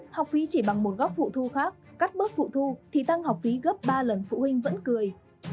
học phí chỉ bằng một góc phụ thu khác cắt bớt phụ thu thì tăng học phí gấp ba lần phụ huynh vẫn cười